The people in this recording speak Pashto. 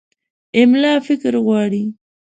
املا فکر غواړي.